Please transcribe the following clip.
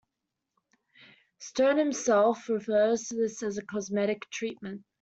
Stern himself refers to this as a "cosmetic" treatment.